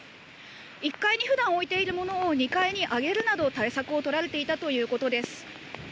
１階にふだん置いているものを、２階に上げるなど対策を取られていたということです。